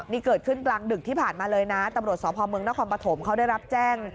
นี่เกิดขึ้นกลางดึกที่ผ่านมาเลยนะตำรวจสพเมืองนครปฐมเขาได้รับแจ้ง